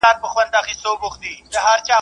له بارانه ولاړی، ناوې ته کښېنستی.